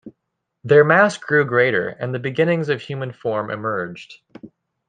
Their mass grew greater, and the beginnings of human form emerged.